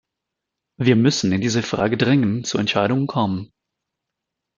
Wir müssen in dieser Frage dringend zu Entscheidungen kommen.